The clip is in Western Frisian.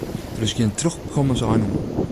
Der is gjin trochkommensein oan.